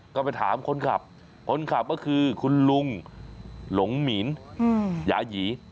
ก็ไปถามคนขับคนขับก็คือคุณลุงหลงหมีนยายี